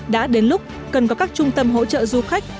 đã đến lúc cần có các trung tâm hỗ trợ du khách